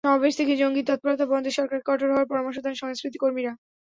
সমাবেশ থেকেই জঙ্গি তৎপরতা বন্ধে সরকারকে কঠোর হওয়ার পরামর্শ দেন সংস্কৃতিকর্মীরা।